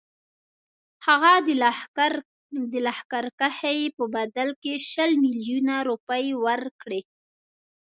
هغه د لښکرکښۍ په بدل کې شل میلیونه روپۍ ورکړي.